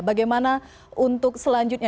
bagaimana untuk selanjutnya